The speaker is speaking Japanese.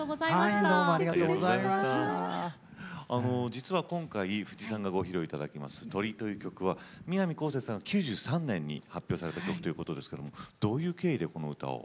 実は今回藤さんがご披露いただきます「鳥」という曲は南こうせつさんが９３年に発表された曲ということですけどもどういう経緯でこの歌を？